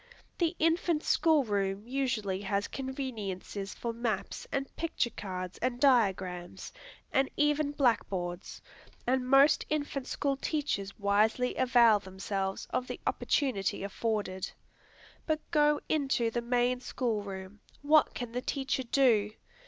The infant school room usually has conveniences for maps and picture cards and diagrams, and even blackboards; and most infant school teachers wisely avail themselves of the opportunity afforded. But go into the main school room what can the teacher do?